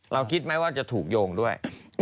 เราคิดมั้ยว่าจะถูกโยงด้วย